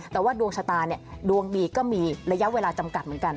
แต่ว่าดวงชะตาเนี่ยดวงดีก็มีระยะเวลาจำกัดเหมือนกัน